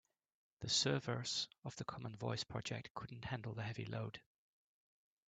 The servers of the common voice project couldn't handle the heavy load.